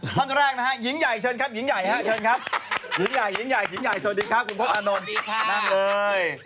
ท่านแรกนะฮะหญิงใหญ่เชิญครับหญิงใหญ่ฮะเชิญครับหญิงใหญ่หญิงใหญ่หญิงใหญ่สวัสดีครับคุณพลตอานนท์นั่งเลย